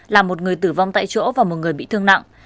làm một người tử vong tại chỗ và một người bị thương nặng